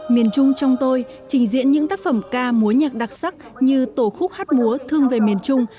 miền trung trong tôi trình diễn những tác phẩm ca múa nhạc đặc sắc như tổ khúc hát múa thương về miền trung